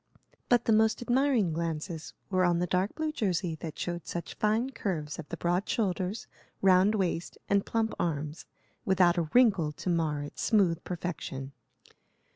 But the most admiring glances were on the dark blue jersey that showed such fine curves of the broad shoulders, round waist, and plump arms, without a wrinkle to mar its smooth perfection.